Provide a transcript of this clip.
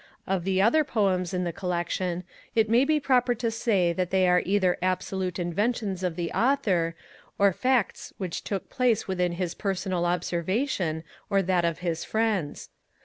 Of the other poems in the collection, it may be proper to say that they are either absolute inventions of the author, or facts which took place within his personal observation or that of his friends.